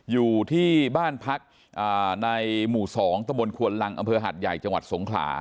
อยู่ที่บ้านพักในหมู่๒ตะบนควนลังอำเภอหัดใหญ่จังหวัดสงขลา